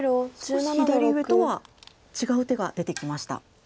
少し左上とは違う手が出てきました。